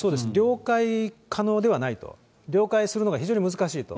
了解可能ではないと、了解するのが非常に難しいと。